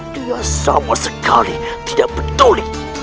dia sama sekali tidak peduli